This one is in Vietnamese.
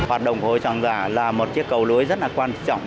hoạt động hội chống hàng giả là một chiếc cầu lưới rất quan trọng